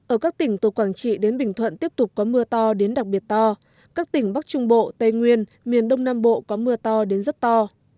ở các tỉnh từ quảng trị đến bình thuận tiếp tục có mưa to đến đặc biệt to các tỉnh bắc trung bộ tây nguyên miền đông nam bộ có mưa to đến rất to